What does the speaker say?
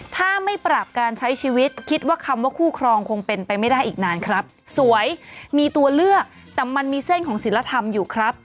ถ้าไม่ปรับการใช้ชีวิตคิดว่าคำว่าคู่ครองคงเป็นไปไม่ได้อีกนานครับสวยมีตัวเลือกแต่มันมีเส้นของศิลธรรมอยู่ครับ